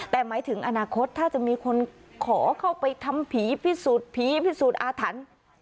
แต่หมายถึงอนาคตถ้าจะมีคนขอเข้าไปทำผีพิสูจน์ผีพิสูจน์อาถรรพ์